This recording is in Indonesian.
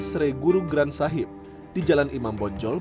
srey guru gran sahib di jalan imam bonjol